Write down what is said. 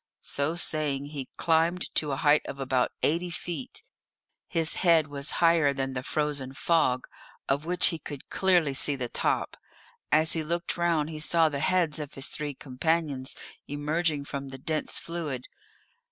So saying he climbed to a height of about eighty feet; his head was higher than the frozen fog, of which he could clearly see the top. As he looked round he saw the heads of his three companions emerging from the dense fluid.